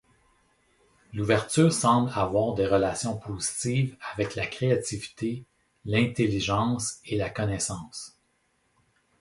L'ouverture semble avoir des relations positives avec la créativité, l'intelligence et la connaissance.